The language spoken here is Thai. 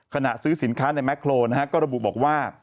ขณะซื้อสินค้าในแก๊โครนก็ระบุบอกว่า